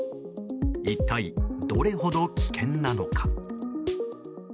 一体どれほど危険なのか。